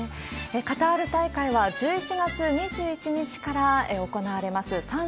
カタール大会は１１月２１日から行われます。